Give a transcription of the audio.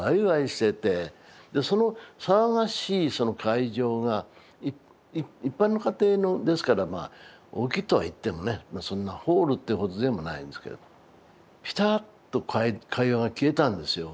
その騒がしいその会場が一般の家庭のですからまあ大きいとはいってもねそんなホールってほどでもないんですけどピタッと会話が消えたんですよ。